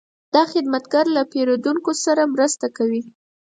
دا خدمتګر له پیرودونکو سره مرسته کوي.